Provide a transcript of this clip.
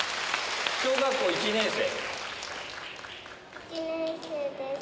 小学校１年生？